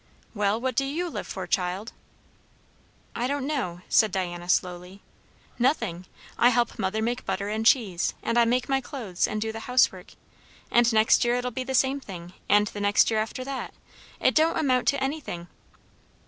"Well, what do you live for, child?" "I don't know," said Diana slowly. "Nothing. I help mother make butter and cheese; and I make my clothes, and do the housework. And next year it'll be the same thing; and the next year after that. It don't amount to anything."